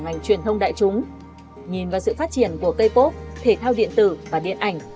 ngành truyền thông đại chúng nhìn vào sự phát triển của k pop thể thao điện tử và điện ảnh